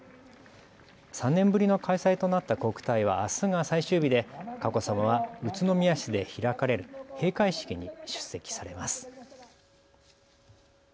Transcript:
３年ぶりの開催となった国体はあすが最終日で佳子さまは宇都宮市で開かれる閉会式に出席されます。